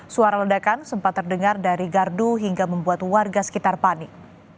suara ledakan sempat terdengar dari gardu hingga membuat warga sekitar panik